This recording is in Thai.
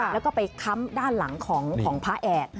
แล้วก็ไปค้ำด้านหลังของพระแอด